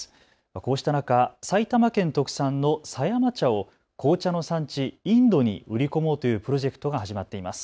こうした中、埼玉県特産の狭山茶を紅茶の産地、インドに売り込もうというプロジェクトが始まっています。